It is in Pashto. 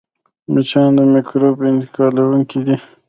مچان د مکروب انتقالوونکي دي